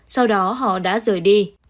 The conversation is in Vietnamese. sau đó họ đã rời đi